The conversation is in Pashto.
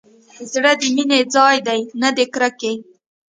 زړه د مينې ځاى دى نه د کرکې.